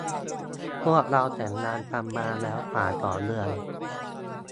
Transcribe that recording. พวกเราแต่งงานกันมาแล้วกว่าสองเดือน